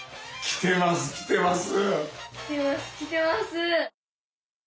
きてますきてます！